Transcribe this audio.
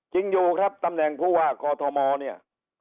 จริงอยู่ครับตำแหน่งผู้ว่ากอทมเนี่ย